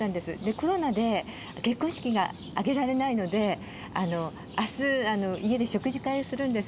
コロナで結婚式が挙げられないので、あす、家で食事会をするんです。